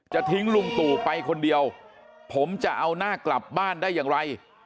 ทิ้งลุงตู่ไปคนเดียวผมจะเอาหน้ากลับบ้านได้อย่างไร